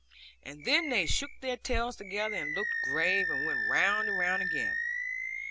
And then they shook their tails together, and looked grave, and went round and round again.